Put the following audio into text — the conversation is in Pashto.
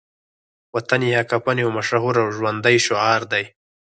وطن یا کفن يو مشهور او ژوندی شعار دی